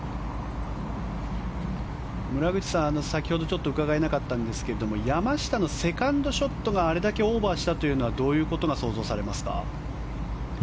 村口さん、先ほどちょっと伺えなかったんですけれども山下のセカンドショットがあれだけオーバーしたというのはどういうことが想像されますか？